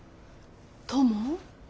トモ？